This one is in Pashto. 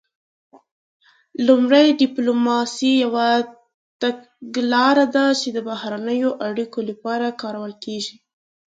لومړی ډیپلوماسي یوه تګلاره ده چې د بهرنیو اړیکو لپاره کارول کیږي